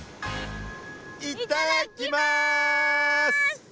いっただきます！